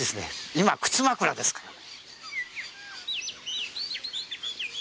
今、靴枕ですからね。